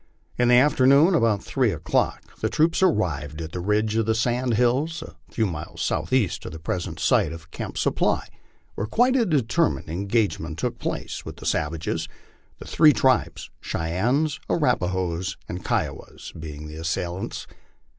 In the afternoon, about three o'clock, the troops arrived at a ridge of sand hills, a few miles southeast of the present site of *' Camp Supply," where quite a determined engagement took place with the savages, the three tribes, Cheyennes, Arapahoes and Kiowas, being the assail ants.